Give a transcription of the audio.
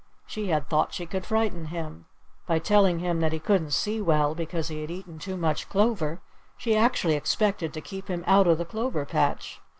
She had thought she could frighten him. By telling him that he couldn't see well because he had eaten too much clover, she actually expected to keep him out of the clover patch.